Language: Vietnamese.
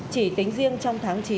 chỉ tính riêng trong tháng chín